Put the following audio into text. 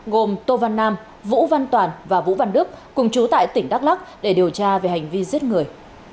gồm tô văn nam vũ văn toàn và vũ văn đức cùng chú tại tỉnh đắk lắc để điều tra về hành vi giết người